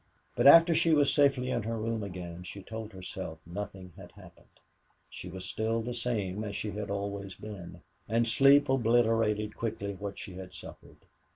But after she was safely in her room again she told herself nothing had happened. She was still the same as she had always been. And sleep obliterated quickly what she had suffered.